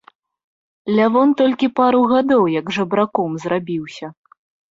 Лявон толькі пару гадоў як жабраком зрабіўся.